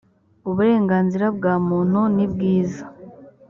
uburenganzira bwamuntu nibwiza